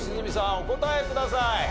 お答えください。